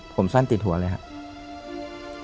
ผมสั้นติดหัวเลยครับ